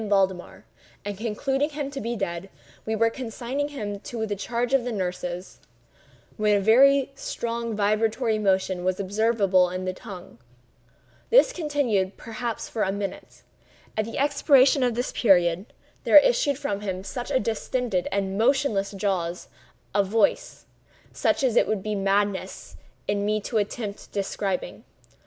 Valdemar; and concluding him to be dead, we were consigning him to the charge of the nurses, when a strong vibratory motion was observable in the tongue. This continued for perhaps a minute. At the expiration of this period, there issued from the distended and motionless jaws a voice—such as it would be madness in me to attempt describing.